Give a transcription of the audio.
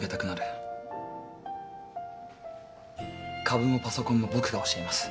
株もパソコンも僕が教えます。